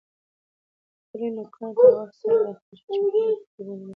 خپلې نوکان په وخت سره اخلئ چې چټلي پکې بنده نشي.